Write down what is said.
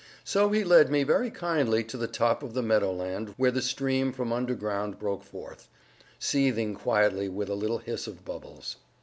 So he led me very kindly to the top of the meadow land where the stream from underground broke forth, seething quietly with a little hiss of bubbles.